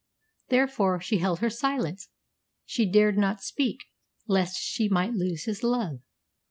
Therefore she held her silence; she dared not speak lest she might lose his love.